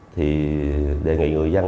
thì đề nghị người dân